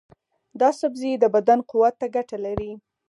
دا سبزی د بدن قوت ته ګټه لري.